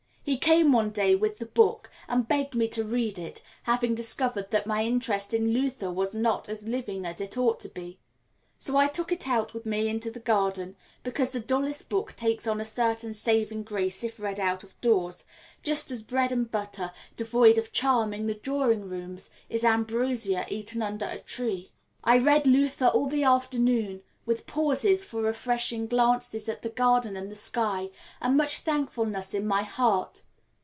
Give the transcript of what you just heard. He came one day with the book and begged me to read it, having discovered that my interest in Luther was not as living as it ought to be; so I took it out with me into the garden, because the dullest book takes on a certain saving grace if read out of doors, just as bread and butter, devoid of charm in the drawing room, is ambrosia eaten under a tree. I read Luther all the afternoon with pauses for refreshing glances at the garden and the sky, and much thankfulness in my heart.